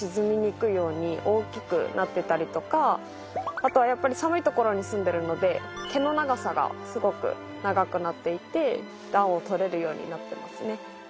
あとはやっぱり寒い所に住んでるので毛の長さがすごく長くなっていて暖をとれるようになってますね。